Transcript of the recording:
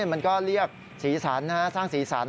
มันก็เรียกสีสันสร้างสีสัน